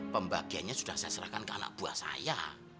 pembagiannya sudah saya serahkan ke anak buah saya